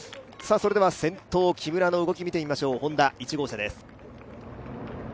先頭、木村の動きを見てみましょうＨｏｎｄａ、１号車です。